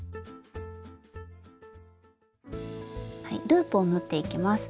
ループを縫っていきます。